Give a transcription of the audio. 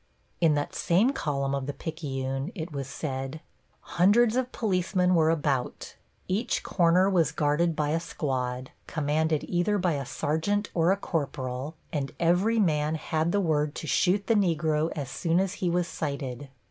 In that same column of the Picayune it was said: Hundreds of policemen were about; each corner was guarded by a squad, commanded either by a sergeant or a corporal, and every man had the word to shoot the Negro as soon as he was sighted.